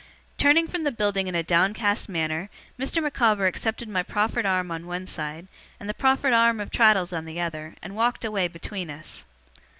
Turning from the building in a downcast manner, Mr. Micawber accepted my proffered arm on one side, and the proffered arm of Traddles on the other, and walked away between us.